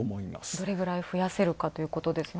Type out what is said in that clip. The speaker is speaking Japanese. どれくらい増やせるかということですね。